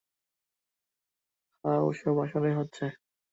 হ্যাঁ, ওসব আসলেই হচ্ছে।